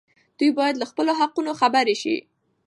دوی باید له خپلو حقونو خبر شي.